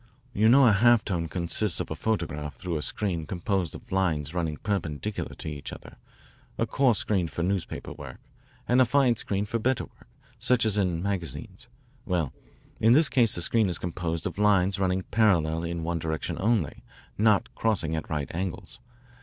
You know a halftone consists of a photograph through a screen composed of lines running perpendicular to each other a coarse screen for newspaper work, and a fine screen for better work, such as in magazines. Well, in this case the screen is composed of lines running parallel in one direction only, not crossing at right angles.